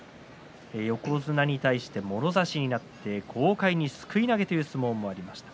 横綱に対してもろ差しになって豪快にすくい投げという相撲がありました。